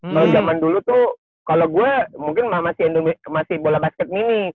malah zaman dulu tuh kalau gue mungkin masih bola basket mini